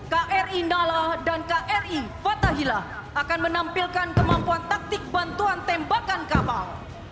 kri nala dan kri fathahillah akan menampilkan kemampuan taktik bantuan tembakan kapal